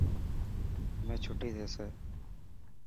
همي ڇٽي ٿيسي.